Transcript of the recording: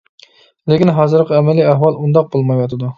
لېكىن ھازىرقى ئەمەلىي ئەھۋال ئۇنداق بولمايۋاتىدۇ.